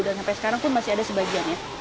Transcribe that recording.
dan sampai sekarang pun masih ada sebagiannya